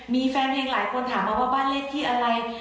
มีแฟนบ้างที่หลายคนถามว่าบ้านเลขที่อะไร